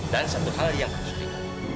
dan satu hal yang harus diketahui